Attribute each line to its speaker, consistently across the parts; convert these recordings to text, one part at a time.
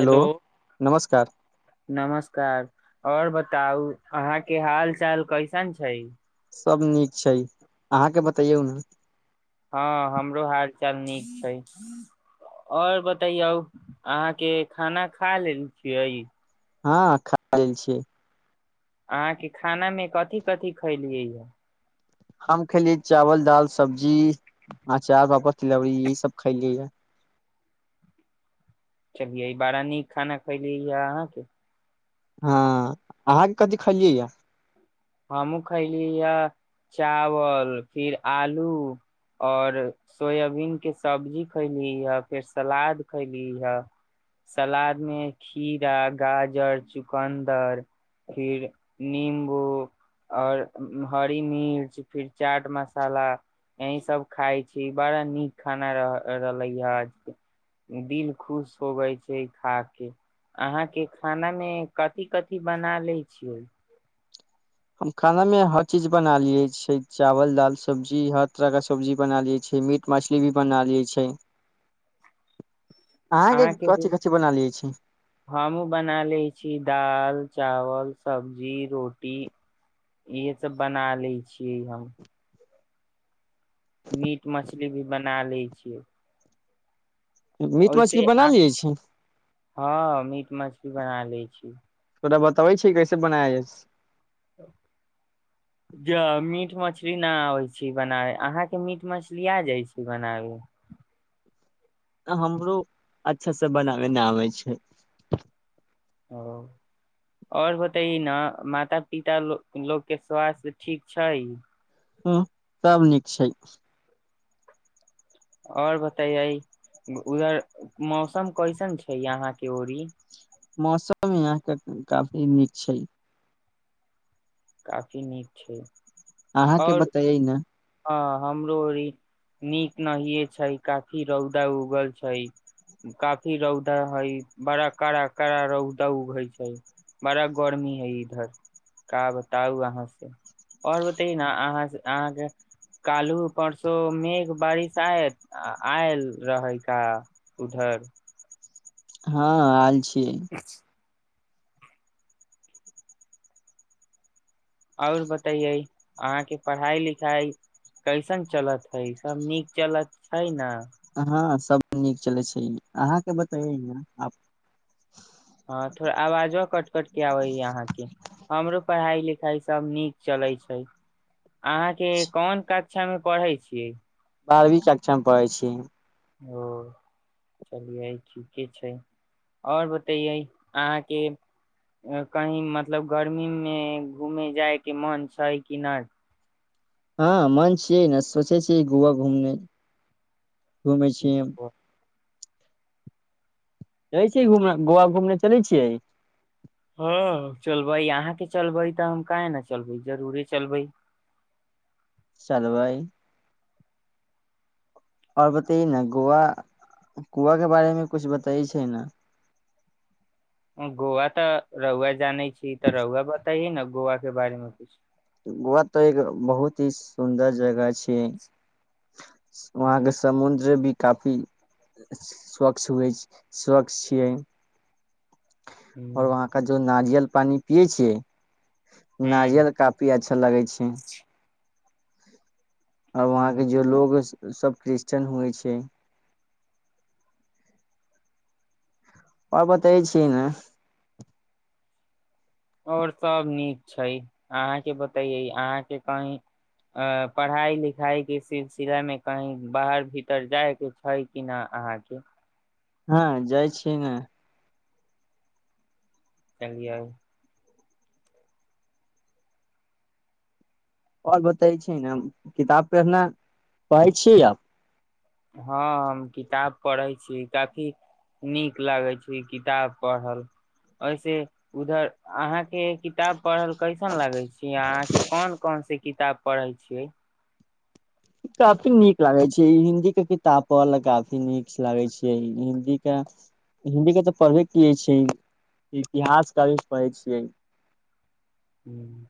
Speaker 1: Hello
Speaker 2: नमस्कार
Speaker 1: नमस्कार आओर बता त अहाँ के हाल चाल कैसन छै
Speaker 2: सब नीक छै अहाँके बतैयौ ने
Speaker 1: हँ हमरो हाल चाल नीक छै आओर बतैयौ अहाँके खाना खा लेल छियै
Speaker 2: हँ खा लेल छियै
Speaker 1: अहाँके खानामे कथी कथि खयलियै यए
Speaker 2: हम खेलिय चावल दाल सब्जी अ चार पापड़ तिलौड़ी यह सब खायलियै य
Speaker 1: चलिये बड़ा नीक खाना खैली या अहाँके
Speaker 2: हँ अहाँके कथी खलियै यए
Speaker 1: हमहूँ खैली हए चावल फिर आलू और सोयाबीन के सब्जी खैली हे फेर सलाद खैली हे सलाद मे खीरा गाजर चुकन्दर फिर नम्बू आओर हरी मिर्च फिर चाट मसाला यह सब खााय छी बड़ा नीक खाना रह रहलै हज दिल खुश होगै छै खा के अहाँके खाना मे कथिी कथिी बना लैत छियै
Speaker 2: हम खानामे हर चीज बना लियै छै चावल दाल सब्जी हर तरहके सब्जी बना लियै छिय मीट मछली भी बना लियै छै
Speaker 1: अहाँके
Speaker 2: कथी कथी बना लियै छै
Speaker 1: हमहु बना ले छी दाल चावल सब्जी रोटी इहे सब बना ले छियै हम मीट मछली भी बना लैत छियै
Speaker 2: मीट
Speaker 1: ओहिसे
Speaker 2: मछली बना लियै छै
Speaker 1: हँ मीट मछली ी बना लै छी
Speaker 2: तोरा बताबै छिअऽ, केना बनाय।
Speaker 1: ज मीट मछली नहि आबै छै बनाबै अहाँके मीट मछली आ जाइ छै बनाबे
Speaker 2: हमरो अच्छास से बनाबै नहि आबै छै
Speaker 1: ओ आओर होतै ई ने माता पिता लोकके स्वास्थ्य ठीक छै
Speaker 2: हँ सब नीक छै
Speaker 1: आओर बतेयै उधर मौसम कैसन छै यहाँके रीी
Speaker 2: मौसम यहाँके काफी नीक छै।
Speaker 1: काफी नीीक छै।
Speaker 2: अहाँके
Speaker 1: और
Speaker 2: बताैै ने
Speaker 1: हँ, हमरो नीक नहि छै। काफी रौद उगल छै। एतऽ बहुत रौद हय, बड़ कड़ा-कड़ा रौद उगै छै। बड़ गर्मी हय इधर। बताउ, अहाँसँ आओर बतियाउ ने। अहाँक ओतऽ काल्हि-परसू मेघ-बरखा आयल रहै कि नहि?
Speaker 2: हँ आयल छी [unintelligible]
Speaker 1: आओर बतैये, अहाँकेँ पढ़ाइ-लिखाइ कैसन चलि रहल हइ? सभ नीक चलि रहल हइ ने?
Speaker 2: हँ सब नीक चलै छै अहाँके बतैे आ
Speaker 1: हँ, थोड़ा आवाजो कटि-कटि कऽ आबै छै। हमरो पढ़ाइ-लिखाइ सभ नीक चलैत छै। अहाँके कोनका? शिक्षामे पढ़ै छियै ने?
Speaker 2: बारवी कक्षामे पढ़ै छी।
Speaker 1: ओ चलियै, ठीके छै। आओर बतैयै, अहाँकेँ कहीं घूमय जाए के मन छै कि नहि? गर्मीमे घूमय जाए के इच्छा होइ छै कि नहि?
Speaker 2: हँ मन छियै। ने सोचै छियै गोव घूमना घुमै छीयै हम। चलै छिय, घूम गोवा घूमने चलै छियै।
Speaker 1: हँ चलबै अहाँके चलबै तऽ हम काह ने चलबै जरूरे चलबै
Speaker 2: चलबइ। आओर बताउ ने, गोआ-कोआक बारेमे किछु बतबै छै ने?
Speaker 1: गोवा तऽ रहुुआ जान ई तऽ रहू, बताउ हँ ने। गोवा के बारेमे किछ
Speaker 2: गोवा तऽ एक बहुत ही सुन्दर जगह छै त वहाँक समुद्र सेहो काफी स्वच्छ छै ने? आओर वहाँक जोन नारियल पानि पियै छियै।
Speaker 1: ह
Speaker 2: नाजियल कफ अच्छा लागै छै। आओर
Speaker 1: ह
Speaker 2: वहाँंके जाए लोग सभ क्रिश्चने होइ छै कि? आओ बतै छीिय ने
Speaker 1: आओर सभ नीक छै। अहाँ बतैयै, अहाँकेँ पढ़ाइ-लिखाइके सिलसिलामे कहीं बाहर-भीतर जायके छै कि नहि?
Speaker 2: हँ जाइ छियै ने
Speaker 1: चलि आउ
Speaker 2: आओर बतै छी ने, हम आब किताब पढ़ना पसिन करै छियै।
Speaker 1: हँ, हम किताब पढ़ै छी। किताब पढ़ल हमरा काफी नीक लागै छै। अहाँ सेहो किताब पढ़ै छी ने? पढ़ल अहाँके कैसन लागै छै? अहाँ कोन-कोन किताब पढ़ै छी? पढ़ै छियै
Speaker 2: काफी नीक लागे छै हिन्दी के किताब पढ़ ल काफी नीक लागै छै हिन्दी के हिन्दी के तऽ पढ़बे कै छै इतिहास की पढ़ै छियै
Speaker 1: हुँ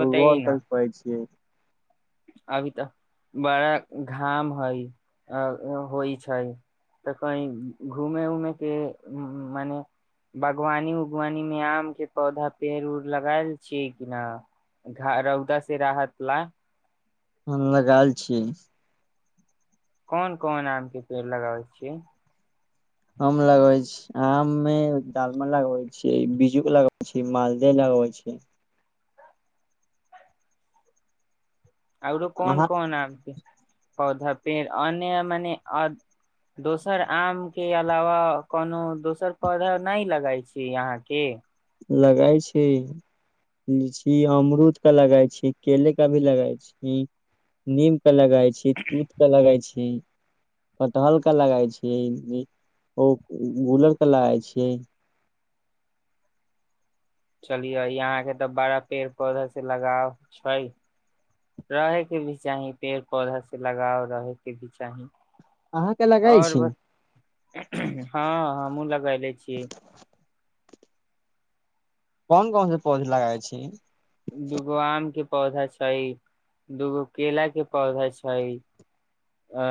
Speaker 2: भूगोल खाली पढ़ेेेऐ छियै
Speaker 1: अभी तऽ बड़ा घाम हइ अ होइ छै त कही घूमे उमे के मने बागवानी उगवानी मे आम के पौधा पेड़ उड़ लगाय छियै कि न रौदा से राहत ला
Speaker 2: हम लगएल छीय
Speaker 1: कोन कोन आम के पेड़ लगाबै छियै
Speaker 2: हम लगबै छी आम मे दालम लगबै छीै बिजू लगबै छी मालदह लगबै छी
Speaker 1: आरो कोन
Speaker 2: अहाँ
Speaker 1: कोन आम कें पौधा पेड़ अन्य मने दोसर आम के अलावा कोनो दोसर पौधा नहि लगाई छी यहा के
Speaker 2: लगाई छी लीची अमरूद का लगई छी केले का भी लगाई छी नीम के लगई छी तूत के लगई छी कटहल के लगइ छियै ओ गूलर के लगाइ छियै
Speaker 1: चलियऔ यहाँ के तऽ बड़ा पेड़ पौधा से लगाव छै रहे के भी चाही पेड़ पौधा से लगाव रहे के भी चाही
Speaker 2: अहाँ के लगाय
Speaker 1: आओर
Speaker 2: छी
Speaker 1: बत हँ हमहुूँ लगायले छीयै
Speaker 2: कोन कोन से पौधे लगाए छी
Speaker 1: दूगो आम के पौधा छै दूगो केला के पौधा छै अ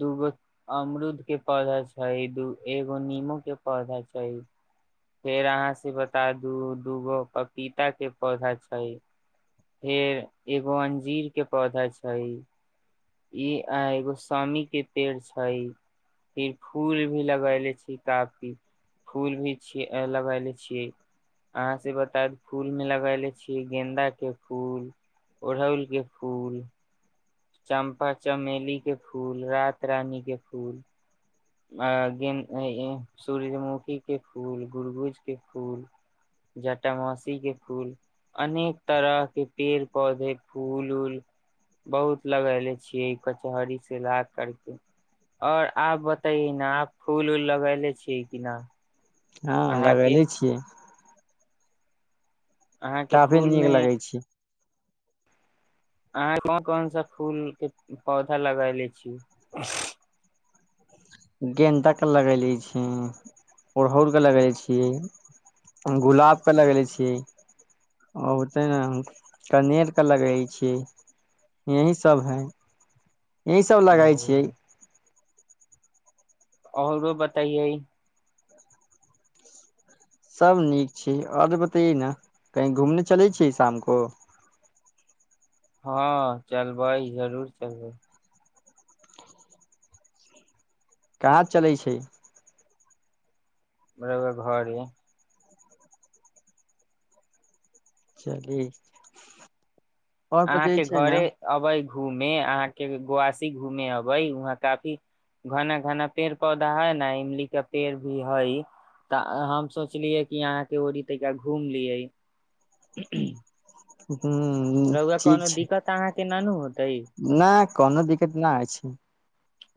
Speaker 1: दूगो अमरूद के पौधा छै एगो नीमो के पौधा छै फेर अहाँ से बता दू दूगो पपीता के पौधा छै फेर एगो अंजीर के पौधा छै ई आ एगो सामी के पेड़ छै फिर फूल भी लगैले छी काफी फूल भी छी लगैले छियै अहाँ से बताउ फूल मे लगायले छीिये गेन्दा के फूल ओड़हुल के फूल चम्पा चमेली के फूल रात रानी के फूल हाँ सूर्यमुखी के फूल गुरबुज के फूल जटा मासी के फूल अनेक तरह के पेड़ पौधे फूल उऊल बहुत लगेले छियै कचहरी से ला करके आओर आब त न आ फूल उऊल लगेले छियै कि न
Speaker 2: हँ
Speaker 1: अहाँके
Speaker 2: लगले छियै
Speaker 1: अहाँके
Speaker 2: ताबे
Speaker 1: फूल
Speaker 2: नीक
Speaker 1: मे
Speaker 2: लगै छी
Speaker 1: अहाँ कोन कोन सा फूल के पौधा लगले छी
Speaker 2: गेंन्दाके लगले छीय ओड़हुलके लगले छियै गुलाबके लगले छियै आते ने कनेरके लगे छियै यही सभ है यह सब लगई छियै
Speaker 1: आओरो बताइए
Speaker 2: सब नीक छै आओर बतैए न कही घूमने चलै छी शाम को
Speaker 1: हँ चल भइ जरूर चलबै
Speaker 2: कहाँ चलै छै
Speaker 1: रौआ घरे
Speaker 2: चली आओर बतै
Speaker 1: अहाँके
Speaker 2: छै ने
Speaker 1: घरे अबे घूमे अहाँके गांव घूमे अबै वहाँ काफी घना घना पेड़ पौधा है ने इमली केा पेड़ भी हइ तऽ हम सोचलियै कि यहाँ के ओ तरिका घूम लिय
Speaker 2: ह हुँ ठीक छै
Speaker 1: अहाँके न नु होतै
Speaker 2: नहि कोनो दिक्कत नहि होइ छै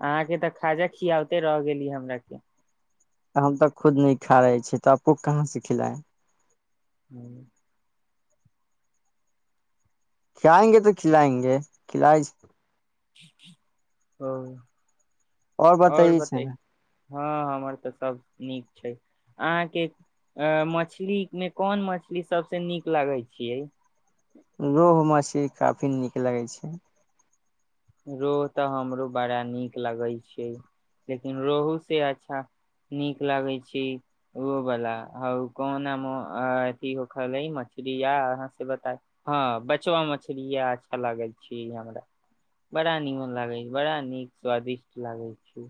Speaker 1: अहाँके तऽ खाजा खियाबते र गेली हमर के
Speaker 2: तऽ हम तऽ खुद नी खा रहे छी तऽ आपको कहाँ से खिलाए
Speaker 1: हँ
Speaker 2: खिलएंगे तऽ खिलाएंगे खिलइ
Speaker 1: ओ
Speaker 2: आओर बताय छै ने
Speaker 1: हँ हमर तऽ सब नीक छै अहाँके मछली मे कोन मछली सबस नीक लागै छियै
Speaker 2: रोहु मछली काफी नीक लगै छै
Speaker 1: रोह तऽ हमरो बड़ा नीक लगै छै लेकिन रोह से अच्छा नीक लगै छै ओहोवला ह कोना अथि हो खै मछरी आ अहाँसँ बता हँ बचबा मछरी य अच्छा लागै छै हमरा बड़ा निमन लागे छै बड़ा नीक स्वदिष्ट लागे छै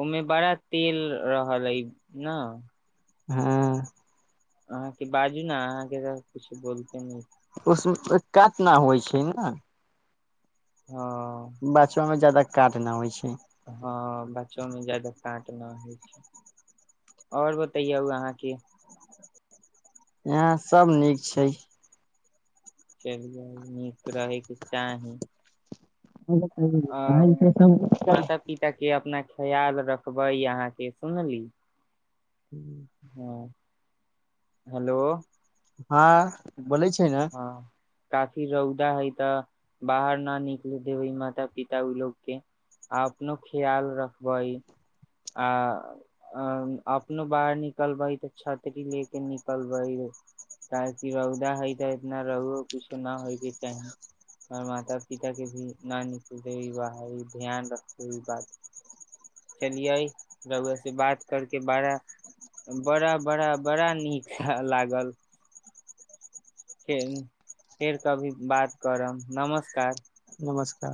Speaker 1: ओहिमे बड़ा तेल रहल अइ न
Speaker 2: हँ
Speaker 1: अहाँके बाजू ने अहाँके त कुछु बोलते न
Speaker 2: उसमे कात न होइ छै ने
Speaker 1: हँ
Speaker 2: काटना होइ छै
Speaker 1: हँ बच्चोमे जाादा कांट ना होइ छै आओर बतैयौ अहाँके
Speaker 2: यहाँ सब नीक छै
Speaker 1: चल नीक रहै कि चाही आ माता पिता के अपना
Speaker 2: [unintelligible]
Speaker 1: ख्याल रखबै अहाँके सुनली
Speaker 2: हू
Speaker 1: हँ हेलो
Speaker 2: हँ बोलै छै ने
Speaker 1: हँ काफी रौदा हई तऽ बाहर न निकल देबे माता पिता ओ लोग के आ अपनो ख्याल रखबै आ अपनो बाहर निकलबै तऽ छतरी ले के निकलबे काफी रौदा हई इतना र‌उआ किछो न होय के चाही माता पिता के भी ना निकले बाहर ध्यान रखबे बात चलिये र‌उआ से बात करके बड़ा बड़ा बड़ा बड़ा नीक लागल फ फेर कभी बात करब नमस्कार
Speaker 2: नमस्कार